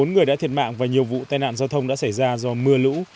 bốn người đã thiệt mạng và nhiều vụ tai nạn giao thông đã xảy ra do mưa lũ